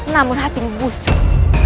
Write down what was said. namun hatimu busuk